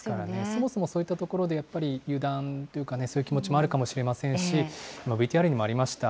そもそもそういったところで、やっぱり油断というかね、そういう気持ちもあるかもしれませんし、ＶＴＲにもありました、